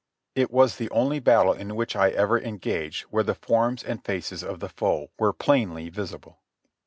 It was the only battle in which I ever engaged where the forms and faces of the foe were plainly visible.